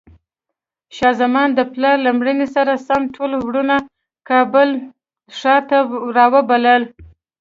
شاه زمان د پلار له مړینې سره سم ټول وروڼه کابل ښار ته راوبلل.